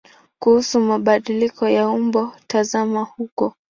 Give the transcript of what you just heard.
Kuhusu mabadiliko ya umbo tazama huko.